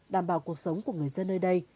đảm bảo cuộc sống của người dân nơi đây